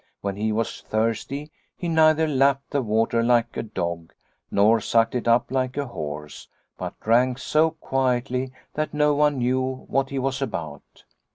When he was thirsty, he neither lapped the water like a dog nor sucked it up like a horse, but drank so quietly that no one knew what he was about.